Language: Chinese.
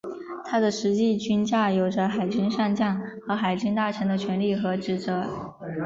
他的实际军阶有着海军上将和海军大臣的权力和职责。